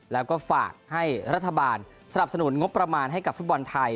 แล้วก็ฝากให้รัฐบาลสนับสนุนงบประมาณให้กับฟุตบอลไทย